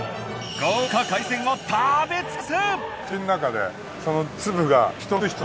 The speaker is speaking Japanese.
豪華海鮮を食べつくす！